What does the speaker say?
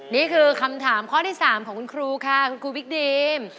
นี่คือคำถามข้อที่๓ของคุณครูค่ะคุณครูบิ๊กดีม